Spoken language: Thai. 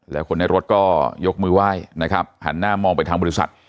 แล้วคนในรถก็ยกมือไหว้นะครับหันหน้ามองไปทางบริษัท